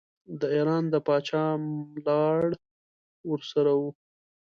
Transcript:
د ایران د پاچا ملاړ ورسره وو.